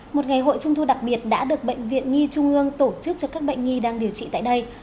một ngày hội trung thu đặc biệt đã được bệnh viện nhi trung ương tổ chức cho các bệnh nhi đang điều trị tại đây